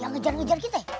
yang ngejar ngejar kita